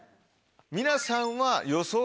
皆さんは。